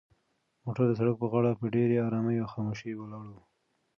موټر د سړک په غاړه په ډېرې ارامۍ او خاموشۍ ولاړ و.